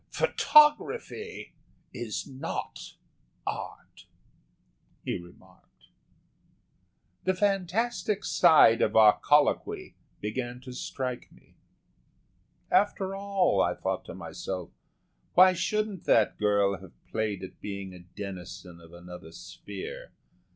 "Photography is not Art," he remarked. The fantastic side of our colloquy began to strike me. "After all," I thought to myself, "why shouldn't that girl have played at being a denizen of another sphere?